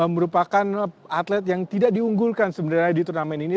merupakan atlet yang tidak diunggulkan sebenarnya di turnamen ini